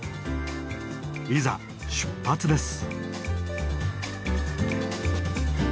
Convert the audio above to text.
いざ出発です。